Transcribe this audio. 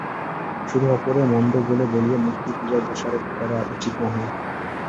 শুধু অপরে মন্দ বলে বলিয়া মূর্তিপূজায় দোষারোপ করা উচিত নহে।